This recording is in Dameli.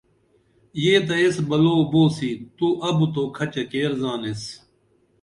یہ تہ ایس بلو بوسی تو ابُت اُو کھچہ کیر زانیس